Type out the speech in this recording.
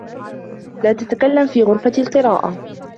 لا تتكلم في غرفة القراءة.